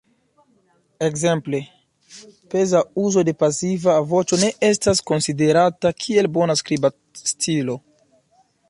Ekzemple, peza uzo de pasiva voĉo ne estas konsiderata kiel bona skriba stilo.